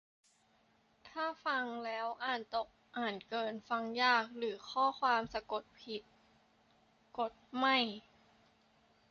- ถ้าฟังแล้ว อ่านตก อ่านเกิน ฟังยาก หรือข้อความสะกดผิด กด "ไม่"